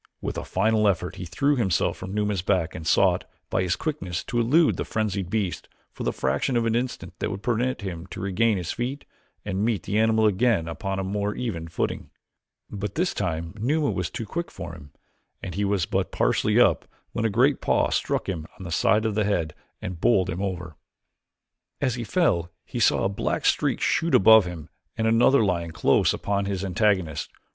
With a final effort he threw himself from Numa's back and sought, by his quickness, to elude the frenzied beast for the fraction of an instant that would permit him to regain his feet and meet the animal again upon a more even footing. But this time Numa was too quick for him and he was but partially up when a great paw struck him on the side of the head and bowled him over. As he fell he saw a black streak shoot above him and another lion close upon his antagonist.